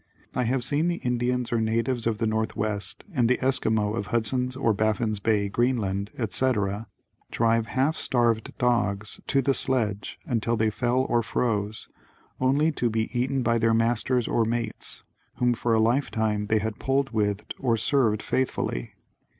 I have seen the Indians or natives of the northwest and the Esquimaux of Hudson's and Baffin's Bay, Greenland, etc., drive half starved dogs to the sledge until they fell or froze, only to be eaten by their masters or mates, whom for a lifetime they had pulled with or served faithfully.